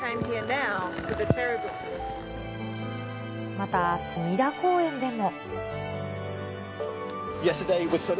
また隅田公園でも。